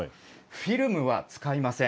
フィルムは使いません。